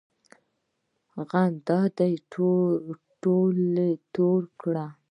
غم دې ټول توی کړل!